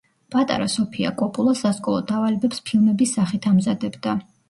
პატარა სოფია კოპოლა სასკოლო დავალებებს ფილმების სახით ამზადებდა.